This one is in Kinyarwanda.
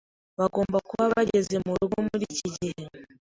Bagomba kuba bageze murugo muriki gihe.